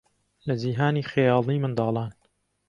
لە جیهانی خەیاڵیی منداڵان